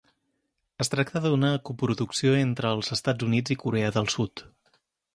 Es tracta d'una coproducció entre els Estats Units i Corea del Sud.